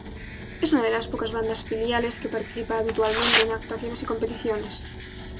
Es una de las pocas bandas filiales que participa habitualmente en actuaciones y competiciones.